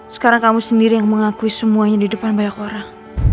sekarang kamu sendiri yang mengakui semuanya di depan banyak orang